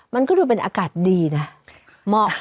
มันก็ดูเป็นอากาศดีนะเหมาะ